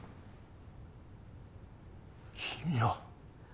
君は。